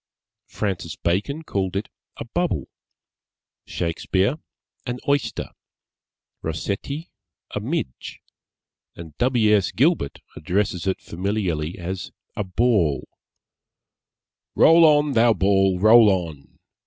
Francis Bacon called it a Bubble; Shakespeare, an Oyster; Rossetti, a Midge; and W. S. Gilbert addresses it familiarly as a Ball _Roll on, thou ball, roll on!